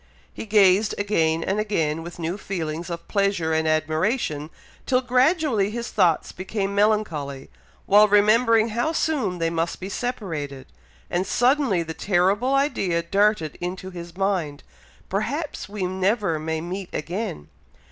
He gazed again and again, with new feelings of pleasure and admiration, till gradually his thoughts became melancholy, while remembering how soon they must be separated; and suddenly the terrible idea darted into his mind, "Perhaps we never may meet again!"